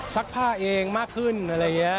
ผ้าเองมากขึ้นอะไรอย่างนี้